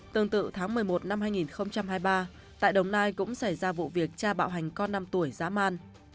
tương tự tháng một mươi một năm hai nghìn hai mươi ba tại đồng nai cũng xảy ra vụ việc cha bạo hành con năm tuổi dã man